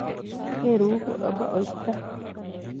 އެ ރޫޙު އެބަ އޮތްތަ؟